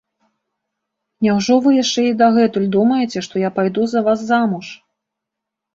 Няўжо вы яшчэ і дагэтуль думаеце, што я пайду за вас замуж?